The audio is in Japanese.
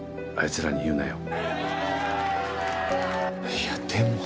いやでも。